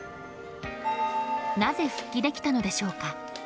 なぜ復帰できたのでしょうか。